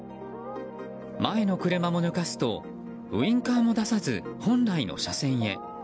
前の車も抜かすとウィンカーも出さず本来の車線へ。